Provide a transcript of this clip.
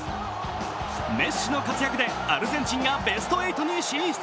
メッシの活躍でアルゼンチンがベスト８に進出。